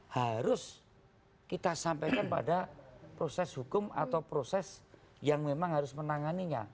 harus kita sampaikan pada proses hukum atau proses yang memang harus menanganinya